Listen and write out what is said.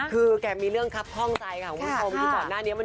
คือแกบีหลวงค่ะเขาเพิ่งหงองใจเลยไม่ต้องออกน้ำ